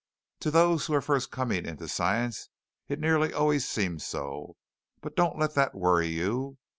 "To those who are first coming into Science it nearly always seems so. But don't let that worry you.